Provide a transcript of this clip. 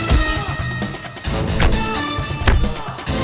satu tiga sini